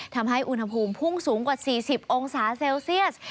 ทำให้อุณหภูมิพุ่งสูงกว่า๔๐องศาเซลเซียส